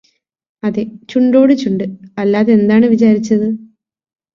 അതെ ചുണ്ടോട്ചുണ്ട് അല്ലാതെന്താണ് വിചാരിച്ചത്